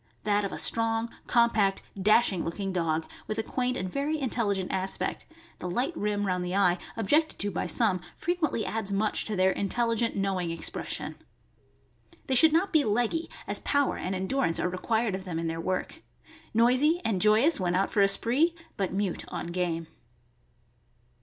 — That of a strong, compact, dash ing looking dog, with a quaint and very intelligent aspect (the light rim round the eye, objected to by some, fre quently adds much to their intelligent, knowing expres sion). They should not be leggy, as power and endurance are required of them in their work. Noisy and joyous when out for a spree, but mute on game.